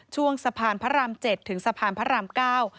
ช่วงสะพานพระราม๗ถึงสะพานพระราม๙